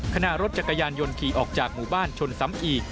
ขณะรถจักรยานยนต์ขี่ออกจากหมู่บ้านชนซ้ำอีก